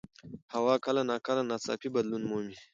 هوا کله ناکله ناڅاپي بدلون مومي